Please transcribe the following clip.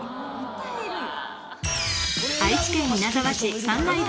・歌えるよ。